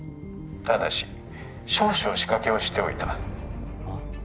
ただし少々仕掛けをしておいたあっ？